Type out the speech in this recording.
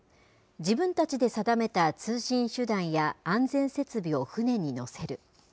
自分たちで定めた通信手段や安全設備を船に載せる。